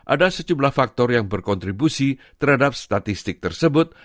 ada sejumlah faktor yang berkontribusi terhadap statistik tersebut